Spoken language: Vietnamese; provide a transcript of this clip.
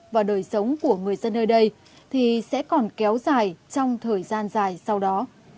và đời sống của người dân nơi đây thì sẽ còn kéo dài trong thời gian dài sau đó